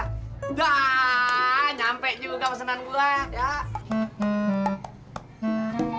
nah nyampe juga pesenan gue ya